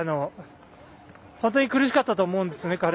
本当に苦しかったと思うんですね